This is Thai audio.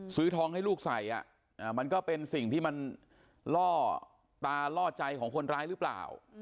ซื้อทองให้ลูกใส่มันก็เป็นสิ่งที่มันล่อตาล่อใจของคนร้ายหรือเปล่า